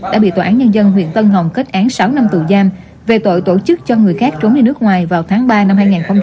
đã bị tòa án nhân dân huyện tân hồng kết án sáu năm tù giam về tội tổ chức cho người khác trốn đi nước ngoài vào tháng ba năm hai nghìn hai mươi